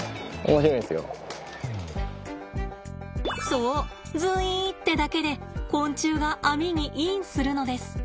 そうズイーってだけで昆虫が網にインするのです。